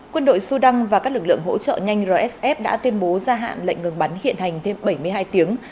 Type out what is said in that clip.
quân đội sudan và các lực lượng hỗ trợ nhanh rsf đã tuyên bố gia hạn lệnh ngừng bắn hiện hành thêm bảy mươi hai tiếng